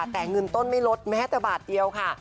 แต่เงินต้นไม่ลดแม้แต่บาทเดียวค่ะ